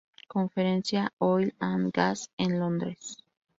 Conferencia Oil and Gas, en Londres.